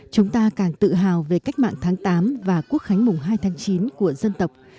chúng ta càng tự hào về cách mạng tháng tám và quốc khánh mùng hai tháng chín của dân tộc